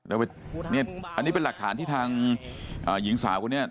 อันนี้เป็นหลักฐานที่ทางหญิงสาวคนนี้